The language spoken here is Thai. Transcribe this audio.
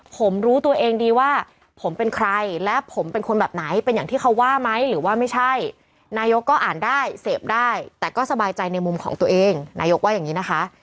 ผมรู้ตัวเองดีว่าผมเป็นใครและผมเป็นคนแบบไหนเป็นอย่างที่เขาว่าไหมหรือว่าไม่ใช่นายกก็อ่านได้เสพได้แต่ก็สบายใจในมุมของตัวเองนายกว่าอย่างนี้นะคะ